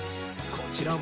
こちらは。